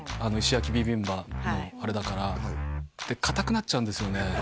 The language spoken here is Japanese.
石焼ビビンパのあれだからで硬くなっちゃうんですよね